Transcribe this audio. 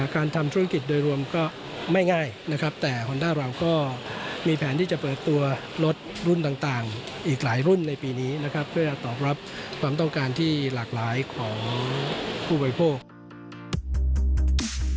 การทำธุรกิจโดยรวมก็ไม่ง่ายนะครับแต่ฮอนด้าเราก็มีแผนที่จะเปิดตัวรถรุ่นต่างอีกหลายรุ่นในปีนี้นะครับเพื่อตอบรับความต้องการที่หลากหลายของผู้บริโภค